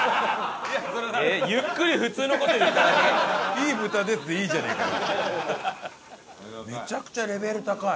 「いい豚で」でいいじゃねえかよ。